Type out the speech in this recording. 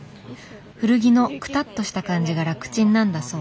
古着のくたっとした感じが楽ちんなんだそう。